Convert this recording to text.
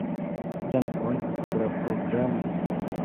Dankon por la programo.